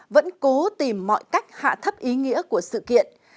vẫn cố tìm mọi cách hạ thấp ý nghĩa của sự kiện